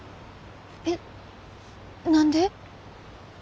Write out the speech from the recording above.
えっ何で？